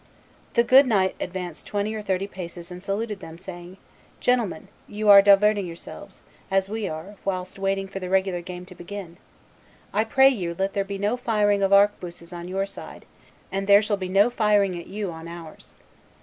"The good knight advanced twenty or thirty paces and saluted them, saying, 'Gentlemen, you are diverting your selves, as we are, whilst waiting for the regular game to begin; I pray you let there be no firing of arquebuses on your side, and there shall be no firing at you on ours.